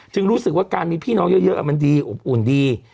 รู้สึกว่าการมีพี่น้องเยอะมันดีอบอุ่นดี